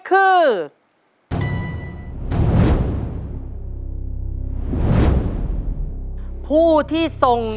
ตัวเลือกที่สอง๘คน